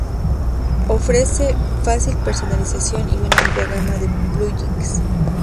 Ofrece fácil personalización y una amplia gama de plugins.